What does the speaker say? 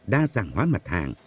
đa dạng hóa mặt hàng